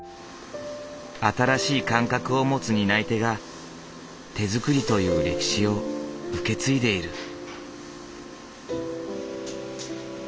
新しい感覚を持つ担い手が手作りという歴史を受け継いでいる。